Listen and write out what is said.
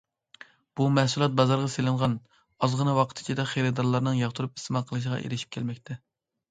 بۇ مەھسۇلات بازارغا سېلىنغان ئازغىنە ۋاقىت ئىچىدە خېرىدارلارنىڭ ياقتۇرۇپ ئىستېمال قىلىشىغا ئېرىشىپ كەلمەكتە.